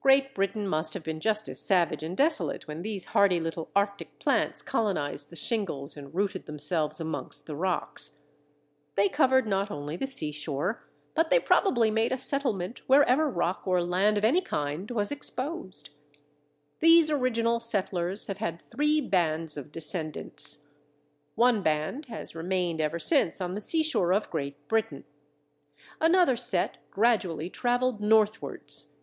Great Britain must have been just as savage and desolate when these hardy little Arctic plants colonized the shingles and rooted themselves amongst the rocks. They covered not only the seashore, but they probably made a settlement wherever rock or land of any kind was exposed. These original settlers have had three bands of descendants. One band has remained ever since on the seashore of Great Britain; another set gradually travelled northwards.